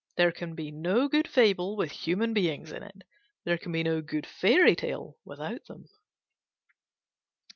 There can be no good fable with human beings in it. There can be no good fairy tale without them.